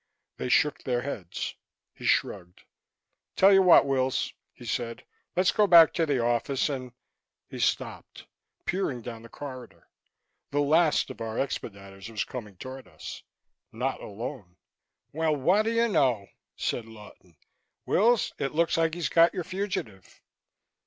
They shook their heads. He shrugged. "Tell you what, Wills," he said. "Let's go back to the office and " He stopped, peering down the corridor. The last of our expediters was coming toward us not alone. "Well, what do you know!" said Lawton. "Wills, it looks like he's got your fugitive!"